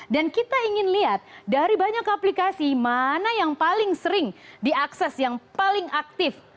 dan kita ingin lihat dari banyak aplikasi mana yang paling sering diakses yang paling aktif